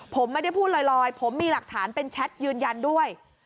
ผมไม่ได้พูดลอยผมมีหลักฐานเป็นแชทยืนยันด้วย